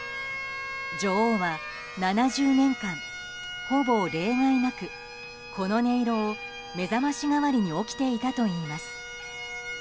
女王は７０年間ほぼ例外なくこの音色を目覚まし代わりに起きていたといいます。